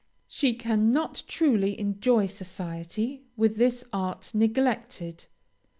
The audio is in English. She cannot truly enjoy society, with this art neglected.